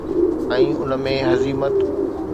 ۽ ان ۾ حزيمت